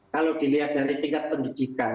kalau dilihat dari tingkat pendidikan